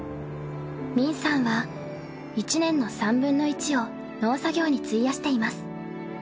泯さんは１年の３分の１を農作業に費やしています。